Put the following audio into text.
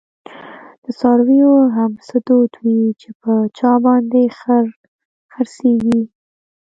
د څارویو هم څه دود وی، چی په چا باندي خر څیږی